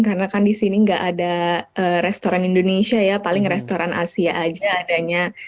karena kan di sini nggak ada restoran indonesia ya paling restoran asia aja adanya